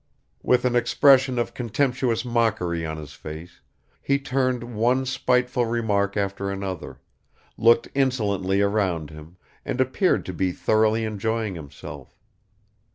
With an expression of contemptuous mockery on his face, he uttered one spiteful remark after another, looked insolently around him, and appeared to be thoroughly enjoying himself.